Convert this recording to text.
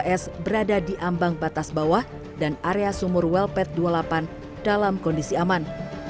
kondisi ini terjadi karena sumur welpet dua puluh delapan tidak ada di ambang batas bawah dan area sumur welpet dua puluh delapan dalam kondisi aman